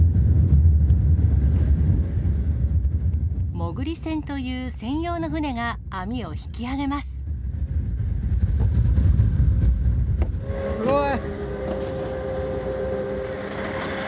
潜り船という専用の船が、網を引すごい。